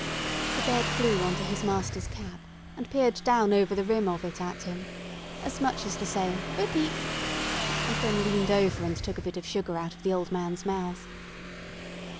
The bird flew on to his master's cap, and peered down over the rim of it at him, as much as to say "bo peep," and then leaned over and took a bit of sugar out of the old man's mouth.